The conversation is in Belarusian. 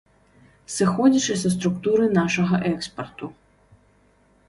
Сыходзячы са структуры нашага экспарту.